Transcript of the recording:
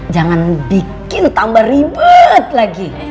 jangan bikin tambah ribet lagi